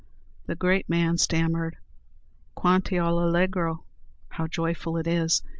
The great man stammered, "Quanti o allegro!" How joyful it is!